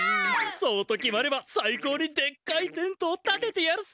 そうと決まればさいこうにでっかいテントをたててやるさ！